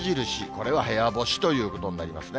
これは部屋干しということになりますね。